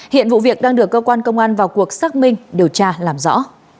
hiện vụ việc đang được cơ quan công an vào cuộc xác minh điều tra làm rõ